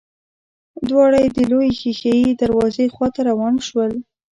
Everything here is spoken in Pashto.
دواړه د لويې ښېښه يي دروازې خواته روان شول.